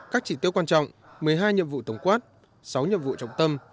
các chỉ tiêu quan trọng một mươi hai nhiệm vụ tổng quát sáu nhiệm vụ trọng tâm